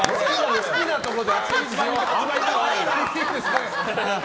好きなところで。